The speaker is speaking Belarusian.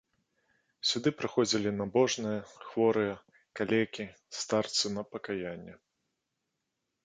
Сюды прыходзілі набожныя, хворыя, калекі, старцы на пакаянне.